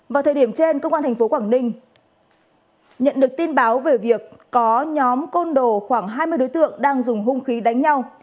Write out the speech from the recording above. vào thời điểm trên công an tp quảng ninh nhận được tin báo về việc có nhóm côn đồ khoảng hai mươi đối tượng đang dùng hung khí đánh nhau